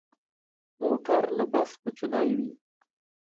موټر له بس کوچنی وي.